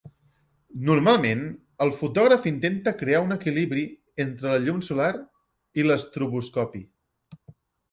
Normalment, el fotògraf intenta crear un equilibri entre la llum solar i l'estroboscopi.